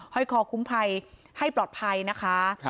คอคุ้มภัยให้ปลอดภัยนะคะ